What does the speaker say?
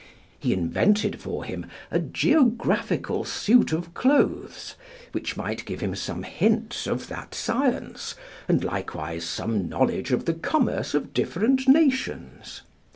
He invented for him a geographical suit of clothes, which might give him some hints of that science, and likewise some knowledge of the commerce of different nations.